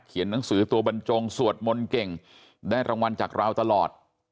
หนังสือตัวบรรจงสวดมนต์เก่งได้รางวัลจากเราตลอด